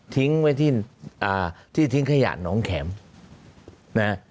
ทิ้งไว้ที่ที่ทิ้งขยะน้องแขมนะครับ